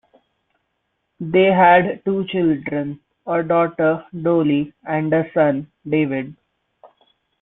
They had two children- a daughter, Doli, and a son, David.